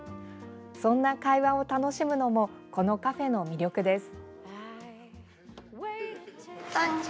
そんな会話を楽しむのもこのカフェの魅力です。